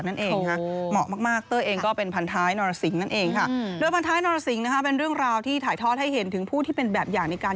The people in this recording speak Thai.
นันนะครับ